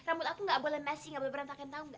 rambut aku nggak boleh nasi gak boleh berantakan tau gak